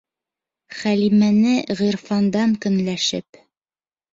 Хәлимәне Ғирфандан көнләшеп.